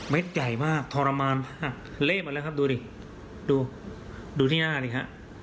ใหญ่มากทรมานมากเละมาแล้วครับดูดิดูดูที่หน้าดิฮะ